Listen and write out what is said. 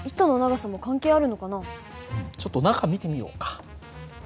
うんちょっと中見てみようか。